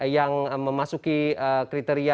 yang memasuki kriteria